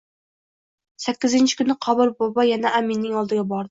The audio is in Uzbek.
Sakkizinchi kuni Qobil bobo yana aminning oldiga bordi